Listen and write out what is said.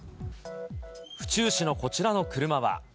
府中市のこちらの車は。